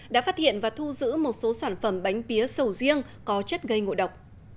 đã phát hiện và thu giữ một số sản phẩm bánh pía sầu riêng có chất gây ngộ độc